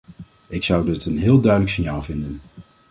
Ik zou dit een heel duidelijk signaal vinden.